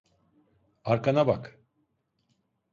Arkana bak!